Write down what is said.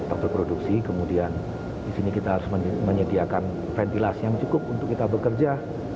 untuk produksi kemudian di sini kita harus menyediakan ventilasi yang cukup untuk kita bekerja